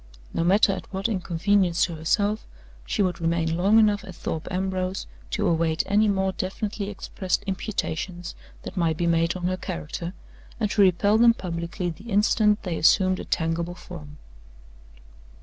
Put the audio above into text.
No matter at what inconvenience to herself, she would remain long enough at Thorpe Ambrose to await any more definitely expressed imputations that might be made on her character, and to repel them publicly the instant they assumed a tangible form.